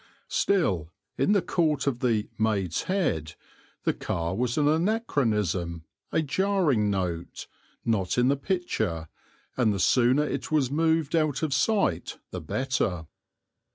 Still, in the court of the "Maid's Head," the car was an anachronism, a jarring note, not in the picture, and the sooner it was moved out of sight the better.